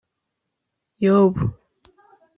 yobu ,